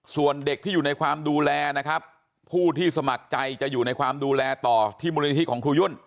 ส่วนเด็กที่อยู่ในความดูแลนะครับผู้ที่สมัครใจจะอยู่ในความดูแลต่อที่มูลนิธิของครูยุ่น